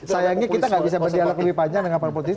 sayangnya kita gak bisa berdialog lebih panjang dengan pak portis